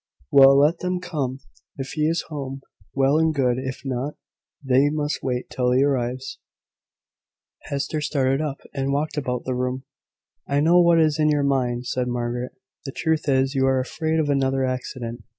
"Well, let them come. If he is home, well and good; if not, they must wait till he arrives." Hester started up, and walked about the room. "I know what is in your mind," said Margaret. "The truth is, you are afraid of another accident.